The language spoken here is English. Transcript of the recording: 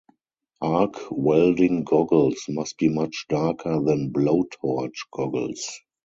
Arc welding goggles must be much darker than blowtorch goggles.